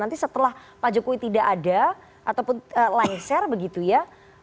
nanti setelah pak jokowi tidak ada ataupun lengser begitu ya